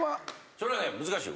それは難しい。